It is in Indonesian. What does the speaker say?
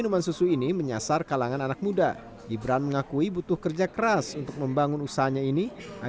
pertama di bekasi